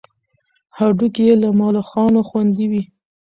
هډوکي یې له ملخانو خوندي وي.